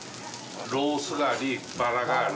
ロースがあり、バラがある。